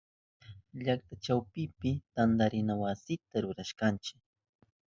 Llakta chawpipi tantarina wasita rurashkanchi.